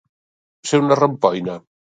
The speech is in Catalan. Ser una rampoina.